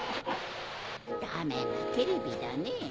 ダメなテレビだねぇ。